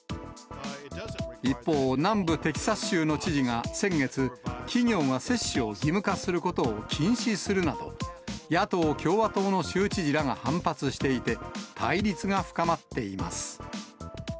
一方、南部テキサス州の知事が先月、企業が接種を義務化することを禁止するなど、野党・共和党の州知事らが反発していて、対立が深まっています。